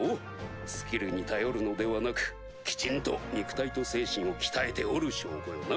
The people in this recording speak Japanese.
スキルに頼るのではなくきちんと肉体と精神を鍛えておる証拠よな。